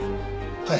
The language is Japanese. はい。